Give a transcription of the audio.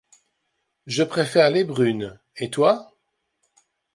Je préfère les brunes, et toi ?